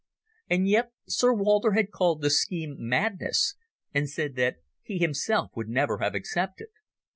And yet Sir Walter had called the scheme madness, and said that he himself would never have accepted.